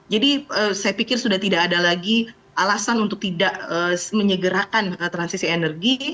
jadi saya pikir sudah tidak ada lagi alasan untuk tidak menyegerakan transisi energi